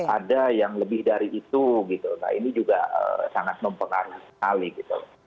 ada yang lebih dari itu gitu nah ini juga sangat mempengaruhi sekali gitu loh